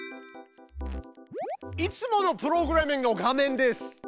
いつものプログラミングの画面です。